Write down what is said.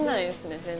全然。